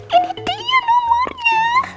ini dia nomornya